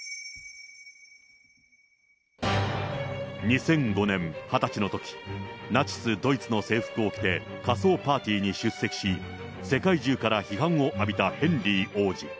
２００５年、２０歳のとき、ナチス・ドイツの制服を着て仮装パーティーに出席し、世界中から批判を浴びたヘンリー王子。